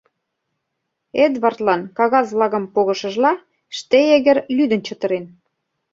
Эдвардлан кагаз-влакым погышыжла Штеегер лӱдын чытырен.